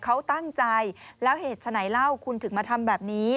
เขาตั้งใจแล้วเหตุฉะไหนเล่าคุณถึงมาทำแบบนี้